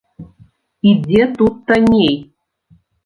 І дзе тут танней?